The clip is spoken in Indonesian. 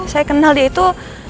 saya kenal dia itu